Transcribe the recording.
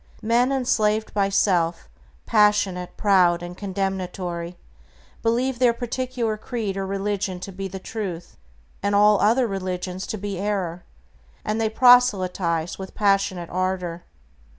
Men, enslaved by self, passionate, proud, and condemnatory, believe their particular creed or religion to be the Truth, and all other religions to be error; and they proselytize with passionate ardor.